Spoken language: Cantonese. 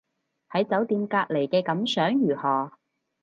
喺酒店隔離嘅感想如何